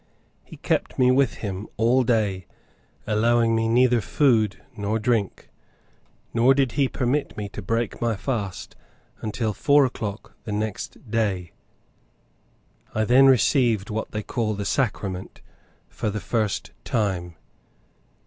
He kept me with him all day, allowing me neither food nor drink; nor did he permit me to break my fast until four o'clock the next day. I then received what they call the sacrament, for the first time.